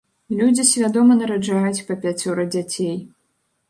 Людзі свядома нараджаюць па пяцёра дзяцей.